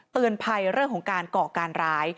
เตือนภัยเรื่องของการก่อการร้าย